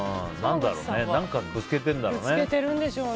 何かぶつけてるんだろうね。